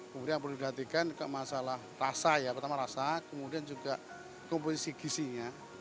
kemudian perlu diperhatikan juga masalah rasa ya pertama rasa kemudian juga komposisi gisinya